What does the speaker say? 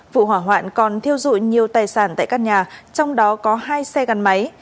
vụ hỏa hoạn còn thiêu dụi nhiều tài sản tại căn nhà trong đó có hai xe gắn máy